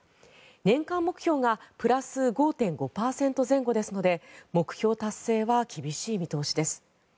年間目標がプラス５．５％前後ですので目標達成は厳しい見通しです。